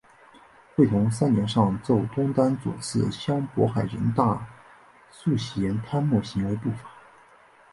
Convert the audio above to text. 会同三年上奏东丹左次相渤海人大素贤贪墨行为不法。